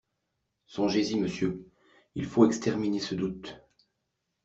Songez-y, Monsieur: il faut exterminer ce doute.